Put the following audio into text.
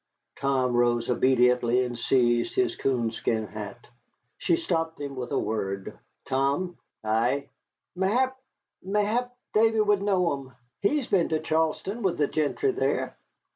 Tom rose obediently, and seized his coonskin hat. She stopped him with a word. "Tom." "Ay?" "Mayhap mayhap Davy would know 'em. He's been to Charlestown with the gentry there."